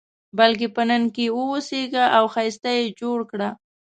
بلکې په نن کې واوسېږه او ښایسته یې جوړ کړه.